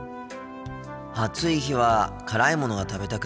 暑い日は辛いものが食べたくなるんだよな。